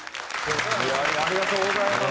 ありがとうございます